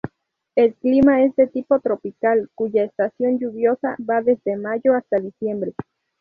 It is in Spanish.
El clima es de tipo tropical, cuya estación lluviosa va desde mayo hasta diciembre.